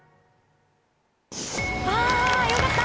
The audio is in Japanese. あよかった！